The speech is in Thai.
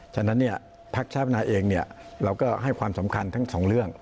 ภักดิ์ชาปนาเองเราก็ให้ความสำคัญทั้งสองเรื่อง